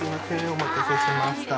お待たせしました。